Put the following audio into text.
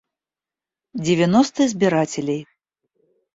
Девяносто избирателей